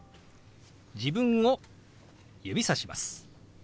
自分を指さします。